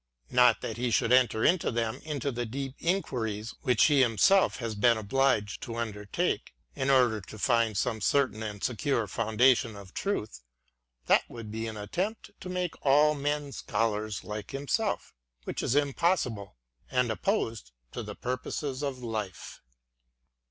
Not that he should enter with them into the deep inquiries which he himself has been obliged to undertake, in order to find some certain and secure foundation of truth: that would be an attempt to make all men Scholars like himself, which is impossible, and opposed to the purposes of life; — THE VOCATION OF THE SCHOLAR.